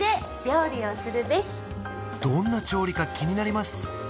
どんな調理か気になります